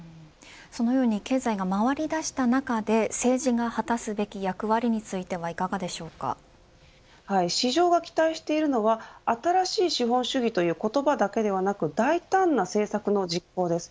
そのように経済が回りだした中で政治が果たすべき役割については市場が期待しているのは新しい資本主義という言葉ではなく大胆な政策の実行です。